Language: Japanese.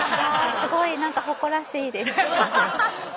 すごいなんか誇らしいです。